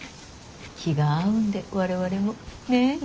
気が合うんで我々も。ねぇ？